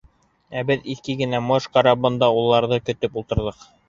Ә беҙ иҫке генә «Морж» карабында уларҙы көтөп ултырҙыҡ.